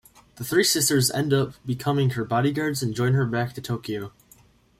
The three sisters end up becoming her bodyguards and join her back to Tokyo.